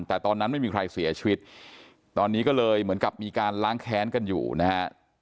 แต่ตอนนั้นไม่มีใครเสียชีวิตตอนนี้ก็เลยเหมือนกับมีการล้างแค้นกันอยู่นะฮะ